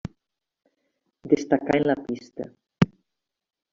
Destacà en la pista.